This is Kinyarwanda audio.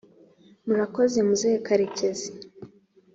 murakoze muzehe karekezi